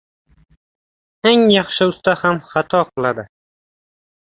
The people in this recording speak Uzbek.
• Eng yaxshi usta ham xato qiladi.